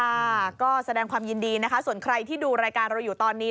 ค่ะก็แสดงความยินดีนะคะส่วนใครที่ดูรายการเราอยู่ตอนนี้